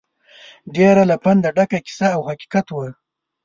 ډېره له پنده ډکه کیسه او حقیقت وه.